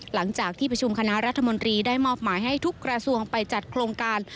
หลังจากที่ประชุมคณะรัฐมนตรีได้มอบหมายให้ทุกกระทรวงไปจัดโครงการ